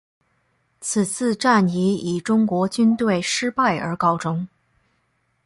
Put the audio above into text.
此次战役以中国军队失败而告终。